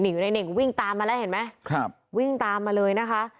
อยู่ในเน่งวิ่งตามมาแล้วเห็นไหมครับวิ่งตามมาเลยนะคะ